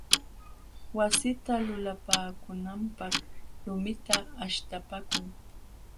Wasita lulapaakunanpaq lumita aśhtapaakun.